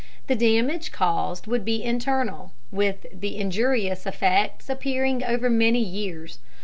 The damage caused would be internal, with the injurious effects appearing over many years.